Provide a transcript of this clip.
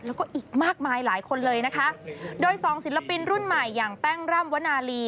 แล้วก็อีกมากมายหลายคนเลยนะคะโดยสองศิลปินรุ่นใหม่อย่างแป้งร่ำวนาลี